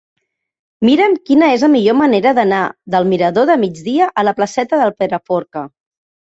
Mira'm quina és la millor manera d'anar del mirador del Migdia a la placeta del Pedraforca.